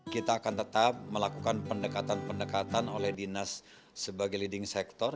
kita akan tetap melakukan pendekatan pendekatan oleh dinas sebagai leading sector